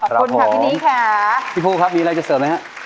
ขอบคุณค่ะพี่นิ้งค่ะพี่ภูครับมีอะไรจะเสริมไหมฮะ